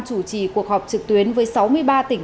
chủ trì cuộc họp trực tuyến với sáu mươi ba tỉnh